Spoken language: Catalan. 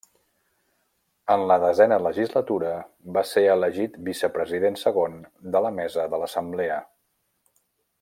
En la desena legislatura va ser elegit vicepresident segon de la Mesa de l'Assemblea.